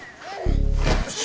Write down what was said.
よし。